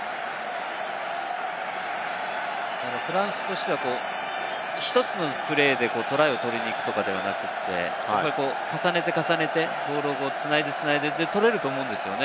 フランスとしては、１つのプレーでトライを取りに行くとかではなく、重ねて重ねてボールを繋いで取れると思うんですよね。